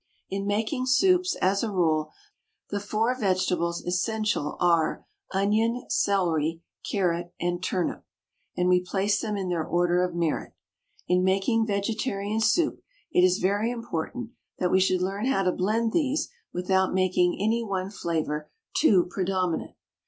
In making soups, as a rule, the four vegetables essential are, onion, celery, carrot and turnip; and we place them in their order of merit. In making vegetarian soup it is very important that we should learn how to blend these without making any one flavour too predominant.